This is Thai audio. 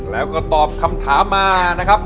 แล้วก็ตอบคำถามมานะครับ